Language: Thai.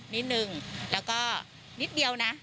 นิดนึงแล้วก็นิดเดียวนะ